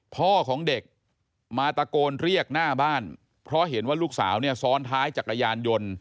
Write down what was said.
พ่อของเด็กมาตะโกนเรียกหน้าบ้านเพราะเห็นว่าลูกสาวเนี่ยซ้อนท้ายจักรยานยนต์